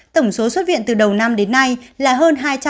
tổng số xuất viện từ đầu năm đến nay là hơn hai bệnh nhân